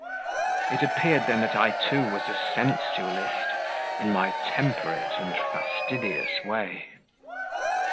It appeared, then, that I too was a sensualist, in my temperate and fastidious way.